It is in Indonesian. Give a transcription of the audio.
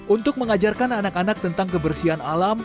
untuk mengajarkan anak anak tentang kebersihan alam